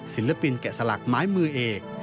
ศิลปินแกะสลักไม้มือเอก